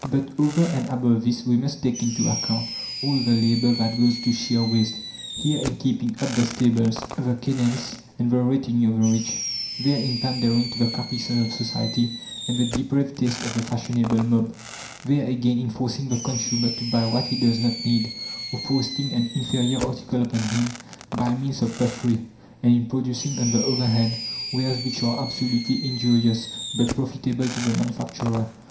But over and above this we must take into account all the labour that goes to sheer waste, here, in keeping up the stables, the kennels, and the retinue of the rich; there, in pandering to the caprices of society and the depraved tastes of the fashionable mob; there again, in forcing the consumer to buy what he does not need, or foisting an inferior article upon him by means of puffery, and in producing on the other hand wares which are absolutely injurious, but profitable to the manufacturer.